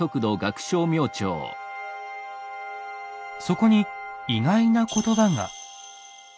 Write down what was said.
そこに意外な言葉が。